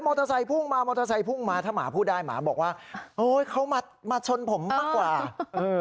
เตอร์ไซคุ่งมามอเตอร์ไซค์พุ่งมาถ้าหมาพูดได้หมาบอกว่าโอ้ยเขามามาชนผมมากกว่าเออ